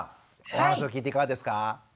お話を聞いていかがですか？